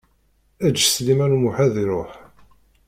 Eǧǧ Sliman U Muḥ ad iṛuḥ.